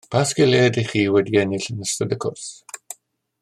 Pa sgiliau ydych chi wedi ennill yn ystod y cwrs?